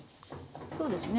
そうですね